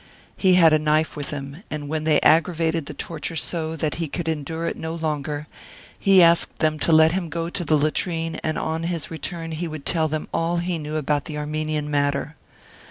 He had a knife with him, and when they aggravated the torture so that he could endure it no longer, he asked them to let him go to the latrine and on his return he would tell them all he knew about the Armenian matter.